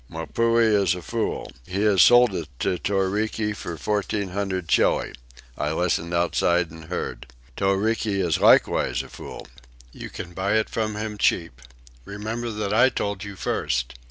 Mapuhi is a fool. He has sold it to Toriki for fourteen hundred Chili I listened outside and heard. Toriki is likewise a fool. You can buy it from him cheap. Remember that I told you first.